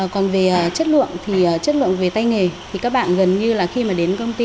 còn về chất lượng thì chất lượng về tay nghề thì các bạn gần như là khi mà đến công ty